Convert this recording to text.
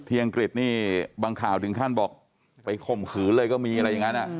อังกฤษนี่บางข่าวถึงขั้นบอกไปข่มขืนเลยก็มีอะไรอย่างนั้น